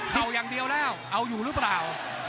อย่างเดียวแล้วเอาอยู่หรือเปล่า